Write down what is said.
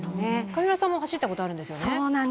上村さんも走ったことがあるんですよね？